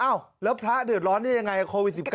อ้าวแล้วพระเดือดร้อนนี่ยังไงกับโควิด๑๙